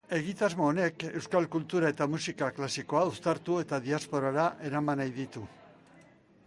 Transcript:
Egitasmo honek euskal kultura eta musika klasikoa uztartu eta diasporara eraman nahi ditu.